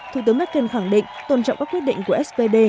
thủ tướng merkel khẳng định tôn trọng các quyết định của spd